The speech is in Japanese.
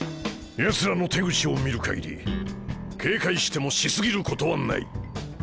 ヤツらの手口を見る限り警戒してもし過ぎることはない。